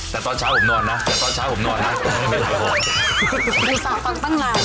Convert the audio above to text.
แต่ตอนเช้าผมนอนนะ